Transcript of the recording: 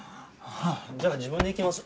じゃあ自分で行きます。